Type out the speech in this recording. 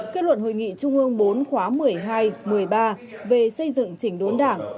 kết luận hội nghị trung ương bốn khóa một mươi hai một mươi ba về xây dựng chỉnh đốn đảng